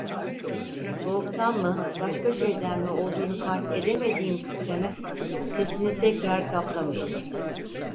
Soğuktan mı, başka şeyden mi olduğunu fark edemediğim titreme, sesini tekrar kaplamıştı.